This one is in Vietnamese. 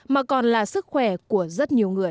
mà còn là sức khỏe của rất nhiều người